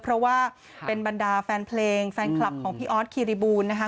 เพราะว่าเป็นบรรดาแฟนเพลงแฟนคลับของพี่ออสคิริบูลนะคะ